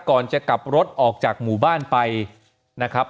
ก่อนจะกลับรถออกจากหมู่บ้านไปนะครับ